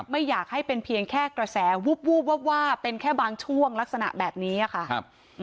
ไม่อยากให้เป็นเพียงแค่กระแสวูบวาบเป็นแค่บางช่วงลักษณะแบบนี้ค่ะ